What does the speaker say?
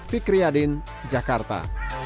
fikri yadin jakarta